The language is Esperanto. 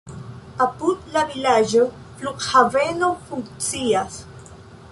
Apud la vilaĝo flughaveno funkcias.